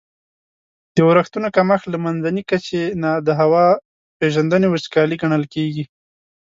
د اورښتونو کمښت له منځني کچي نه د هوا پیژندني وچکالي ګڼل کیږي.